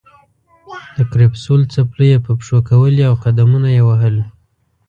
د کرپسول څپلۍ یې په پښو کولې او قدمونه به یې وهل.